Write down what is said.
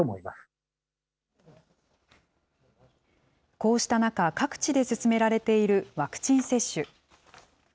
こうした中、各地で進められているワクチン接種。